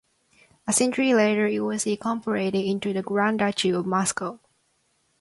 A century later, it was incorporated into the Grand Duchy of Moscow.